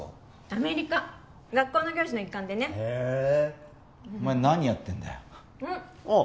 ・アメリカ学校の行事の一環でねへえお前何やってんだよあっ